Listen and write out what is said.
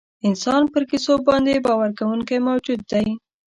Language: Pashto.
انسان پر کیسو باندې باور کوونکی موجود دی.